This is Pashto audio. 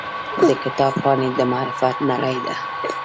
د کتاب پاڼې د معرفت نړۍ ده.